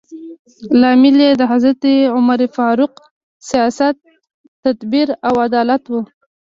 لامل یې د حضرت عمر فاروق سیاست، تدبیر او عدالت و.